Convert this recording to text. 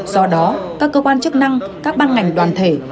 do đó các cơ quan chức năng các ban ngành đoàn thể